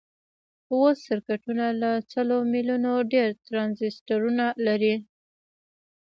اوس سرکټونه له سلو میلیونو ډیر ټرانزیسټرونه لري.